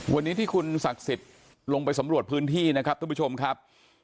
วันนี้ที่คุณศักดิ์สิทธิ์ลงไปสำรวจพื้นที่นะครับทุกผู้ชมครับ